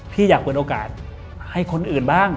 พี่อยากเปิดโอกาสให้คนอื่นบ้าง